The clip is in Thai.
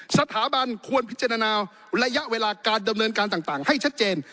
สถาบันควรพิจารณาระยะเวลาการดำเนินการต่างให้ชัดเจน